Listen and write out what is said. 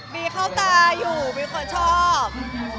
มีเข้าตาอยู่มีคนชอบ